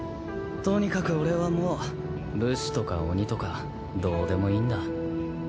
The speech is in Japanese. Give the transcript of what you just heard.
とにかく俺はもう武士とか鬼とかどうでもいいんだ。